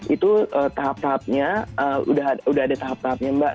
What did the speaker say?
itu tahap tahapnya udah ada tahap tahapnya mbak